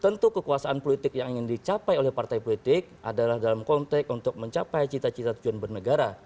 tentu kekuasaan politik yang ingin dicapai oleh partai politik adalah dalam konteks untuk mencapai cita cita tujuan bernegara